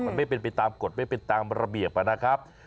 มันไม่เป็นไปตามกฎไม่เป็นตามระเบียบนะครับ